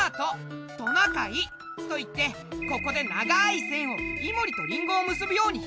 オレはここで長い線を「イモリ」と「リンゴ」をむすぶように引いたんだ。